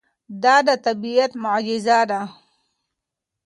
دا د طبیعت معجزه ده.